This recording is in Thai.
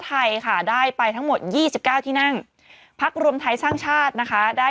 ไทยค่ะได้ไปทั้งหมด๒๙ที่นั่งพักรวมไทยสร้างชาตินะคะได้